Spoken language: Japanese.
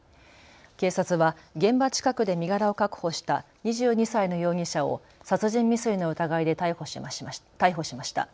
警察は現場近くで身柄を確保した２２歳の容疑者を殺人未遂の疑いで逮捕しました。